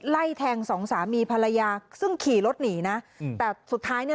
ไล่แทงสองสามีภัย